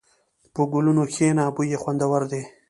په ګلونو کښېنه، بوی یې خوندور دی.